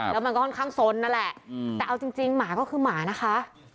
แล้วมันก็ค่อนข้างสนนั่นแหละแต่เอาจริงหมาก็คือหมานะคะ